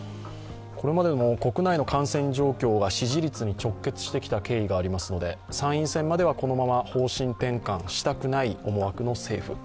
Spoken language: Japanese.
これまでも国内の感染状況が支持率に直結してきた経緯がありますので、参院選まではこのまま方針転換したくない思惑の政府。